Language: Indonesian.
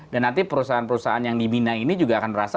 dan nanti perusahaan perusahaan yang dibina ini juga akan merasa